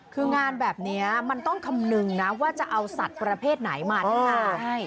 คืองานแบบนี้มันต้องคำนึงนะว่าจะเอาสัตว์ประเภทไหนมาได้งาน